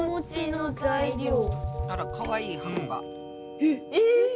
あらかわいい箱が。